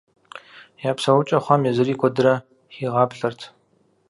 Я псэукӀэ хъуам езыри куэдрэ хигъаплъэрт.